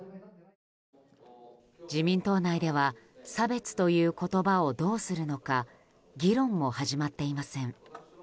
自民党内では差別という言葉をどうするのか議論も始まっていません。